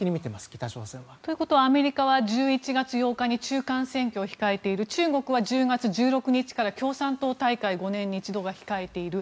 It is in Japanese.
北朝鮮は。ということはアメリカは１１月８日に中間選挙を控えている中国は１０月１６日から共産党大会５年に一度が控えている。